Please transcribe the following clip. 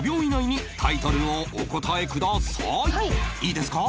いいですか？